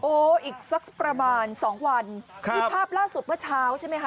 โอ้อีกสักประมาณ๒วันนี่ภาพล่าสุดเมื่อเช้าใช่ไหมคะ